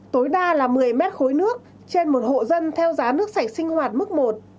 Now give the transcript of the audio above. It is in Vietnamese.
tối đa là một mươi mét khối nước trên một hộ dân theo giá nước sạch sinh hoạt mức một